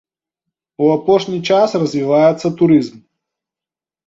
У апошні час развіваецца турызм.